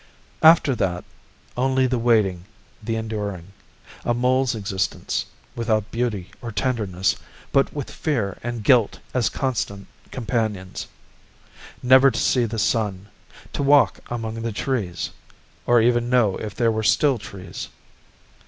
After that, only the waiting, the enduring. A mole's existence, without beauty or tenderness, but with fear and guilt as constant companions. Never to see the Sun, to walk among the trees or even know if there were still trees.